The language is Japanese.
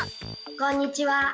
こんにちは。